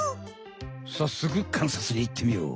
さっそくかんさつにいってみよう！